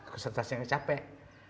konsentrasi yang capek